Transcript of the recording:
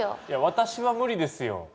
いや私は無理ですよ。